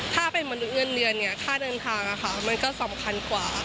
ถ้าเป็นมนุษย์เงินเดือนเนี่ยค่าเดินทางมันก็สำคัญกว่า